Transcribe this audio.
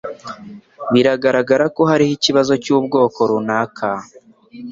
Biragaragara ko hariho ikibazo cyubwoko runaka.